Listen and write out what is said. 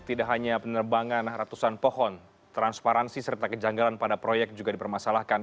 tidak hanya penerbangan ratusan pohon transparansi serta kejanggalan pada proyek juga dipermasalahkan